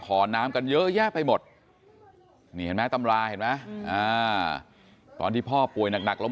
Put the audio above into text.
ขอน้ำกันเยอะแยะไปหมดนี่มีแม่ตำราตอนที่พ่อป่วยหนักลง